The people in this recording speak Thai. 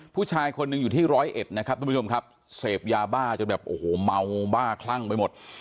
ผู้ชายคนหนึ่งอยู่ที่ร้อยเอ็ดนะครับทุกผู้ชมครับเสพยาบ้าจนแบบโอ้โหเมาบ้าคลั่งไปหมด